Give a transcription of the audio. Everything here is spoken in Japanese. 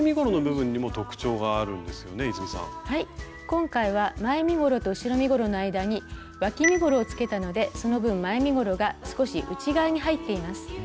今回は前身ごろと後ろ身ごろの間にわき身ごろをつけたのでその分前身ごろが少し内側に入っています。